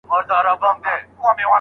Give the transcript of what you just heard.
قسم د لغت په لحاظ کوم تفریق ته ویل کیږي؟